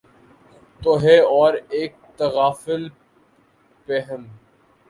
تو ہے اور اک تغافل پیہم